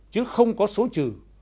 chứ không có số trừ